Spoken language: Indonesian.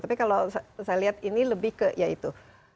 tapi kalau saya lihat ini lebih ke ya itu